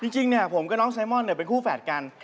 จริงผมกับน้องไซมอนเป็นคู่แฝดกัน